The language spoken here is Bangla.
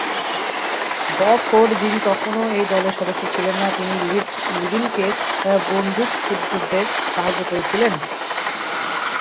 বব ফোর্ড, যিনি তখনও এই দলের সদস্য ছিলেন না, তিনি লিডিলকে বন্দুকযুদ্ধে সাহায্য করেছিলেন।